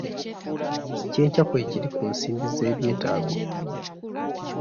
Ekyenkya kwe kiri ku nsimbi z'ebyetaago.